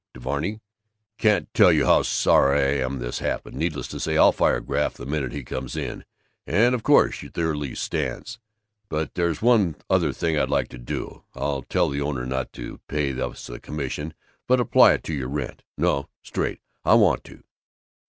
To Varney: "Can't tell you how sorry I am this happened. Needless to say, I'll fire Graff the minute he comes in. And of course your lease stands. But there's one other thing I'd like to do. I'll tell the owner not to pay us the commission but apply it to your rent. No! Straight! I want to.